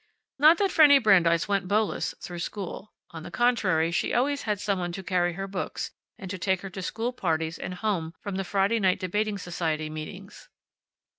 Not that Fanny Brandeis went beauless through school. On the contrary, she always had some one to carry her books, and to take her to the school parties and home from the Friday night debating society meetings.